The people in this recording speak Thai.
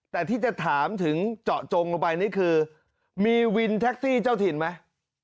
แต่ที่จะถามถึงเจาะจงลงไปนี่คือมีวินแท็กซี่เจ้าถิ่นไหม